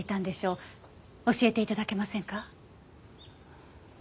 教えて頂けませんか？